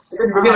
itu lebih tinggi